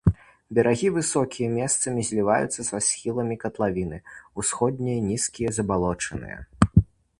Берагі высокія, месцамі зліваюцца са схіламі катлавіны, усходнія нізкія, забалочаныя.